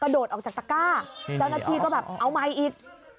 กระโดดออกจากตาก้าแล้วหน้าทีก็แบบเอามาอีก